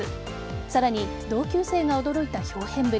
さらに同級生が驚いた豹変ぶり。